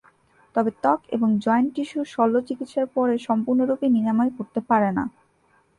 তবে ত্বক এবং জয়েন্ট টিস্যু শল্য চিকিৎসার পরে সম্পূর্ণরূপে নিরাময় করতে পারে না।